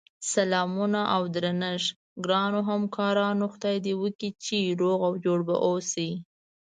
سلامونه اودرنښت ګراونوهمکارانو خدای دی وکړی چی روغ اوجوړبه اووسی